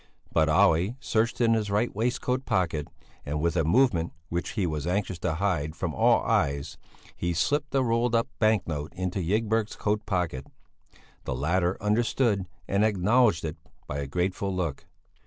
But Olle searched in his right waistcoat pocket, and with a movement which he was anxious to hide from all eyes he slipped a rolled up banknote into Ygberg's coat pocket; the latter understood and acknowledged it by a grateful look.